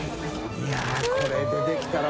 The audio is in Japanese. い笋これ出てきたら。